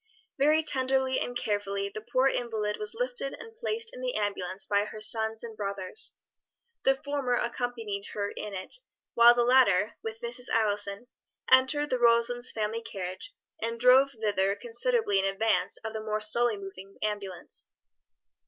Very tenderly and carefully the poor invalid was lifted and placed in the ambulance by her sons and brothers. The former accompanied her in it, while the latter, with Mrs. Allison, entered the Roselands family carriage, and drove thither considerably in advance of the more slowly moving ambulance.